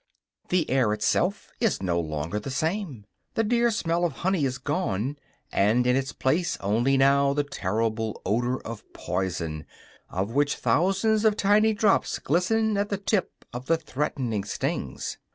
The air itself is no longer the same; the dear smell of honey is gone, and in its place only now the terrible odor of poison, of which thousands of tiny drops glisten at the tip of the threatening stings.